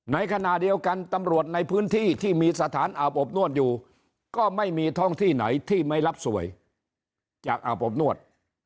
ในขณะเดียวกันตำรวจในพื้นที่ที่มีสถานอาบอบนวดอยู่ก็ไม่มีท่องที่ไหนที่ไม่รับสวยจากอาบอบนวด